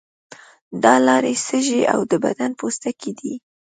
دا لارې سږی او د بدن پوستکی دي.